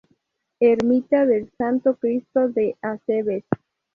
Ermita del Santo Cristo de Acebes.